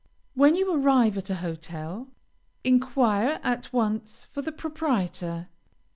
When you arrive at the hotel, enquire at once for the proprietor.